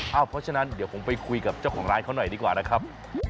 เพราะฉะนั้นเดี๋ยวผมไปคุยกับเจ้าของร้านเขาหน่อยดีกว่านะครับ